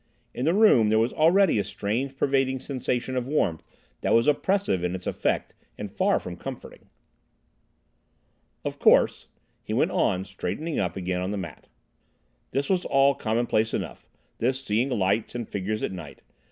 In the room there was already a strange pervading sensation of warmth that was oppressive in its effect and far from comforting. "Of course," he went on, straightening up again on the mat, "this was all commonplace enough—this seeing lights and figures at night.